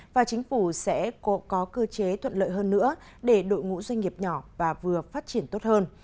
và chính phủ sẽ có cơ chế thuận lợi hơn nữa để đội ngũ doanh nghiệp nhỏ và vừa phát triển tốt hơn